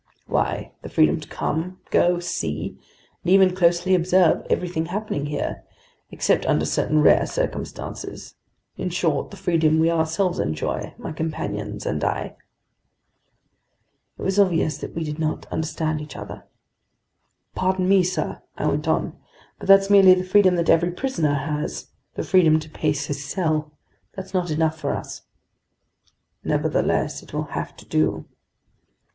"Why, the freedom to come, go, see, and even closely observe everything happening here—except under certain rare circumstances—in short, the freedom we ourselves enjoy, my companions and I." It was obvious that we did not understand each other. "Pardon me, sir," I went on, "but that's merely the freedom that every prisoner has, the freedom to pace his cell! That's not enough for us." "Nevertheless, it will have to do!"